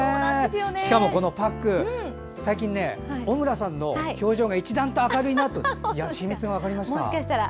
しかも、このパック最近、小村さんの表情が一段と明るいなと秘密が分かりました。